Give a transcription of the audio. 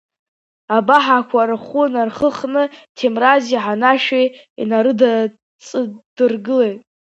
Абаҳақәа рхәы нархыхны Ҭемрази Ҳанашәи инарыҵадыргылеит.